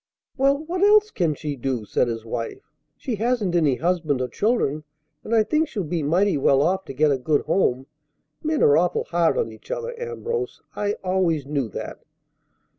"Well, what else can she do?" said his wife. "She hasn't any husband or children, and I think she'll be mighty well off to get a good home. Men are awful hard on each other, Ambrose. I always knew that."